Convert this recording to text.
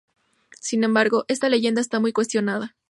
Sin embargo, esta leyenda está muy cuestionada.